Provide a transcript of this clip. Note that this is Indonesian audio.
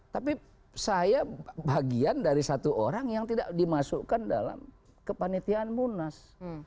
tapi saya bagian dari satu orang yang tidak dimasukkan dalam kepanitiaan munas